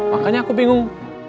makanya aku bingung